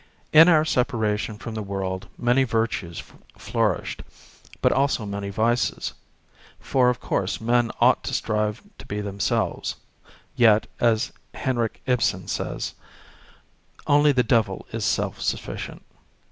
In our separation from the world many virtues flourished, but also many vices, for of course men ought to strive to be themselves, yet, as Henrik Ibsen says, only the devil is self sufficient.